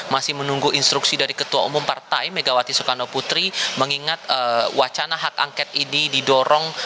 masih menunggu instruksi dari ketua umum partai megawati soekarno putri mengingat wacana hak angket ini didorong